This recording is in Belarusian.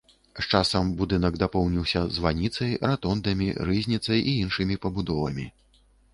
З часам будынак дапоўніўся званіцай, ратондамі, рызніцай і іншымі пабудовамі.